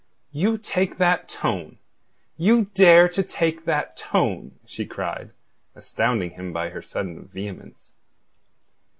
"You take that tone! You dare to take that tone!" she cried, astounding him by her sudden vehemence.